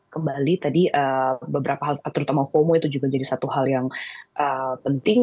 kembali tadi beberapa hal terutama fomo itu juga jadi satu hal yang penting